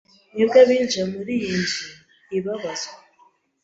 Mwebwe abinjira muri iyi nzu ibabazwa